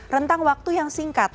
rentang waktu yang singkat